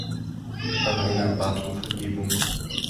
Rainer bat um Vergebung.